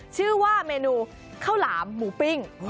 ชื่อว่าเมนูข้าวหลามหมูปิ้ง